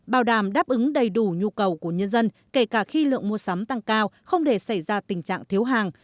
bảo đảm đáp ứng đầy đủ nhu cầu của nhân dân kể cả khi lượng mua sắm tăng cao không để xảy ra tình trạng thiếu hàng